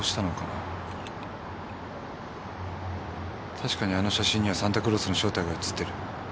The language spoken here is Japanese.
確かにあの写真にはサンタクロースの正体が写ってる。